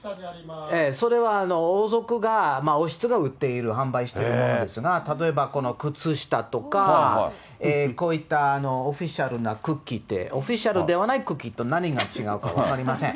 それは王族が、王室が売っている、販売しているものですが、例えばこの靴下とか、こういったオフィシャルなクッキー、オフィシャルではないクッキーと何が違うか分かりません。